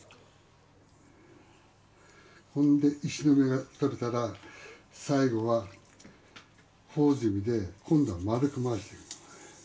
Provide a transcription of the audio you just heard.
「ほんで石の目が取れたら最後は朴炭で今度は丸く回していく」